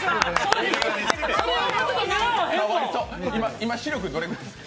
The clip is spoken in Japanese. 今、視力どれくらいですか？